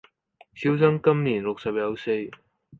小生今年六十有四